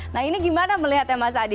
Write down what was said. nah ini gimana melihatnya mas adi